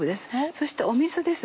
そして水です。